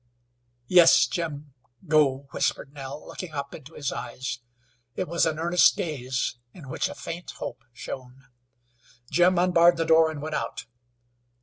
"Yes, Jim, go," whispered Nell, looking up into his eyes. It was an earnest gaze in which a faint hope shone. Jim unbarred the door and went out.